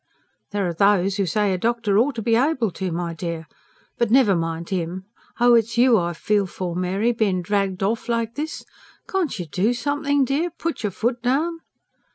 "There are those who say a doctor ought to be able to, my dear. But never mind him. Oh, it's you I feel for, Mary, being dragged off like this. Can't you DO anything, dear? Put your foot down?"